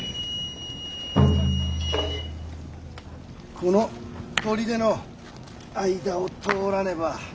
この砦の間を通らねば。